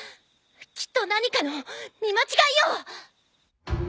きっと何かの見間違いよ！